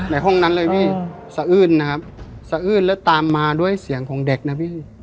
ในห้องนั้นเลยพี่สะอื้นนะครับสะอื้นแล้วตามมาด้วยเสียงของเด็กนะพี่